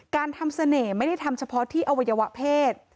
การทำเสน่ห์ไม่ได้ทำเฉพาะที่อวัยวะเพศ